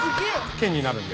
剣になるんで。